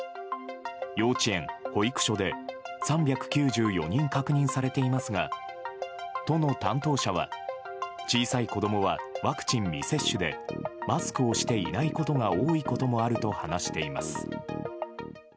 幼稚園、保育所で３９４人確認されていますが都の担当者は小さい子供はワクチン未接種でマスクをしていないことが多いこともあると話しています。